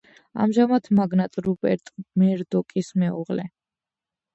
ამჟამად მაგნატ რუპერტ მერდოკის მეუღლე.